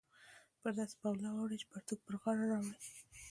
پر داسې بلا واوړې چې پرتوګ پر غاړه راوړې